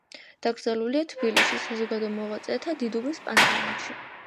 დაკრძალულია თბილისში, საზოგადო მოღვაწეთა დიდუბის პანთეონში.